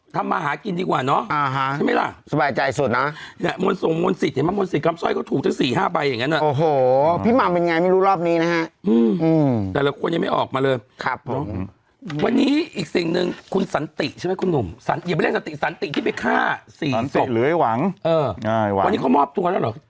ทำมาหากินดีกว่าเนอะอ่าฮะใช่ไหมล่ะสบายใจสุดน่ะเนี่ยมนสุงมติ